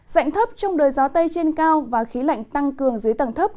dạnh thấp trong đời gió tây trên cao và khí lạnh tăng cường dưới tầng thấp